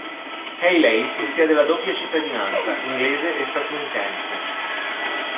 Hayley possiede la doppia cittadinanza, inglese e statunitense.